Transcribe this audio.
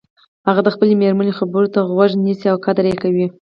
هغه د خپلې مېرمنې خبرو ته غوږ نیسي او قدر یی کوي